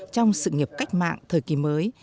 trong sự nghiệp cách mạng thời kỳ mới